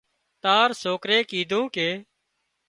تار سوڪري ڪيڌون ڪي